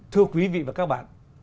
thưa quý vị và các bạn